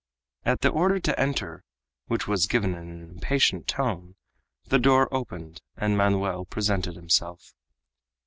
At the order to enter which was given in an impatient tone the door opened and Manoel presented himself.